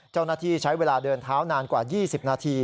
เจ้าหน้าที่ใช้เวลาเดินเท้านานกว่า๒๐นาที